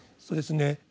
そうですね。